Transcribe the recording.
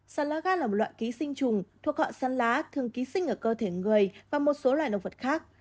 sán lá gan là một loại ký sinh trùng thuộc họ sán lá thường ký sinh ở cơ thể người và một số loài động vật khác